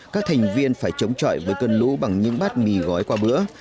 các thành viên phải chống chọi với cơn lũ bằng những bát mì gói qua bữa